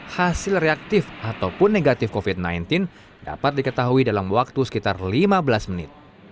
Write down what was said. hasil reaktif ataupun negatif covid sembilan belas dapat diketahui dalam waktu sekitar lima belas menit